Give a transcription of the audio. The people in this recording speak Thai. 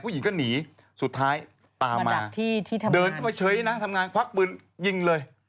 ผู้หญิงก็หนีสุดท้ายตามมาเดินเข้าไปเฉยนะทำงานควักปืนยิงเลย